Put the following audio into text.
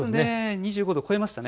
２５度を超えましたね。